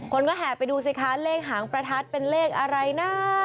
คนก็แห่ไปดูสิคะเลขหางประทัดเป็นเลขอะไรนะ